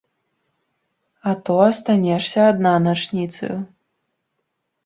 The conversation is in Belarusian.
А то астанешся адна начніцаю.